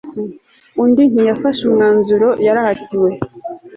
undi ntiyafashe umwanzuro, yarahatiwe